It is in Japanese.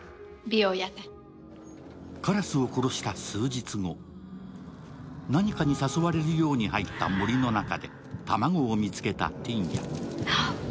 カラスを殺した数日後、何かに誘われるように入った森の中で卵を見つけたティンヤ。